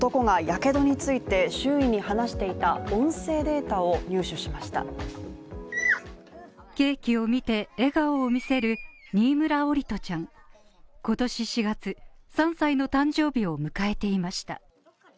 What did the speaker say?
ケーキを見て笑顔を見せる新村桜利斗ちゃん、今年４月３歳の誕生日を迎えていました。